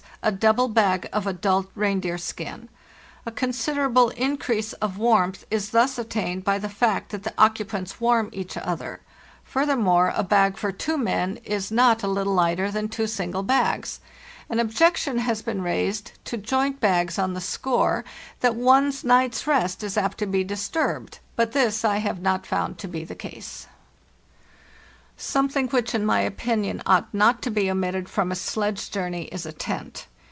a double bag of adult reindeer skin; a considerable increase of warmth is thus attained by the fact that the occupants warm each other. Furthermore, a bag for two WE MAKE A START 119 men is not a little lighter than two single bags. An objection has been raised to joint bags on the score that one's night's rest is apt to be disturbed, but this I have not found to be the case. Something which, in my opinion, ought not to be omitted from a sledge journey is a ¢ez¢.